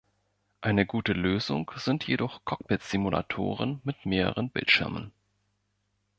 Eine gute Lösung sind jedoch Cockpitsimulatoren mit mehreren Bildschirmen.